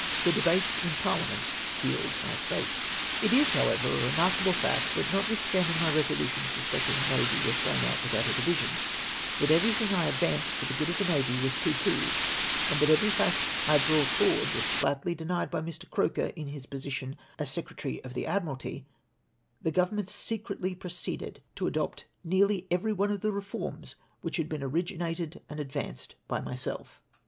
The debates in parliament sealed my fate. It is, however a remarkable fact, that, notwithstand ing my resolutions respecting tlie navy were thrown out without a division — that everything I advanced for the good of the na\y was pooh poohed — and tliat every fact I brought forward was flatly denied by Mr. Croker, in his position as Secretary of the Admkalty — the Government secretly proceeded to adopt nearly MY PROJECTS ADOPTED 313 every one of the reforms ivhich had been originated and advanced hy myself.